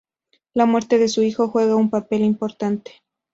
La muerte de su hijo juega un papel importante.